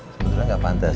sebenernya gak pantas